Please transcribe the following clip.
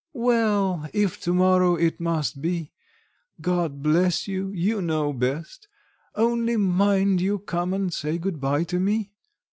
"Well, if to morrow it must be. God bless you you know best. Only mind you come and say good bye to me."